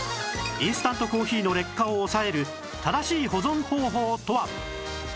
インスタントコーヒーの劣化を抑える正しい保存方法とは？